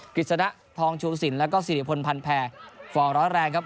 กิจสนะทองชูสินแล้วก็สิริพลพันแพรฟองร้อยแรงครับ